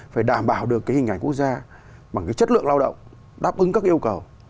phải đảm bảo được cái hình ảnh quốc gia bằng cái chất lượng lao động đáp ứng các yêu cầu